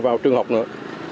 vào trường học nữa